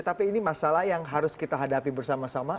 tapi ini masalah yang harus kita hadapi bersama sama